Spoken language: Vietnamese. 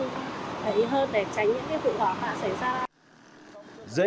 để tránh những vụ khó khăn xảy ra